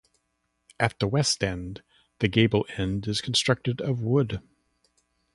At the west end, the gable-end is constructed of wood.